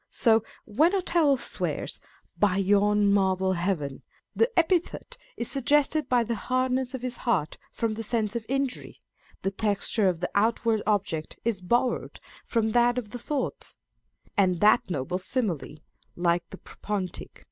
So when Othello swears " By yon 484 Scott, Racine, and SJiakespeare. marble heaven," the epithet is suggested by the hardness of his heart from the sense of injury : the texture of the outward object is borrowed from that of the thoughts : and that noble simile, " Like the Propontic," &c.